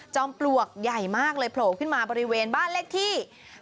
ปลวกใหญ่มากเลยโผล่ขึ้นมาบริเวณบ้านเลขที่